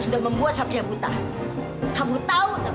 nenek bisa sakit gara gara dewi